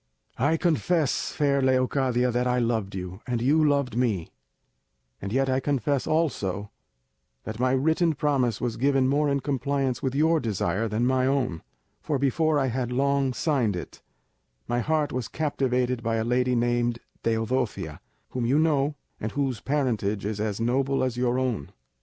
"I confess, fair Leocadia, that I loved you, and you loved me; and yet I confess also that my written promise was given more in compliance with your desire than my own; for before I had long signed it my heart was captivated by a lady named Teodosia, whom you know, and whose parentage is as noble as your own.